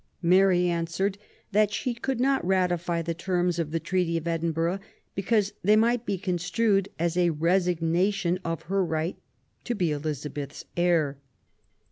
Mary answered that she could not ratify the terms of the Treaty of Edinburgh, because they might be construed as a resignation of her right to be Elizabeth's heir.